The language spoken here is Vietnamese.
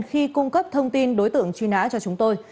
khi cung cấp thông tin đối tượng truy nã cho chúng tôi